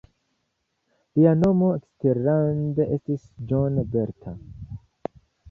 Lia nomo eksterlande estis John Bartha.